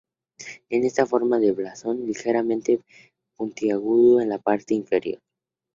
Es en forma de blasón, ligeramente puntiagudo en la parte inferior.